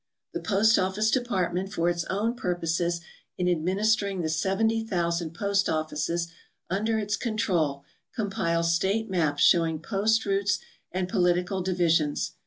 The Post Office Dej^artment, for its own purposes in adminis tering the 70,000 post offices under its control, com|)iles state maps showing post routes and political divisions.